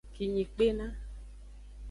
Kinyi kpena.